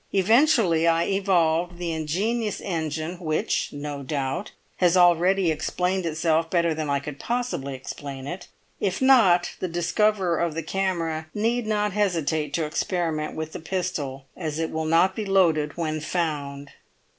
Eventually I evolved the ingenious engine which, no doubt, has already explained itself better than I could possibly explain it; if not, the discoverer of the camera need not hesitate to experiment with the pistol, as it will not be loaded when found."